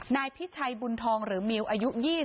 นายพิชัยบุญทองหรือมิวอายุ๒๐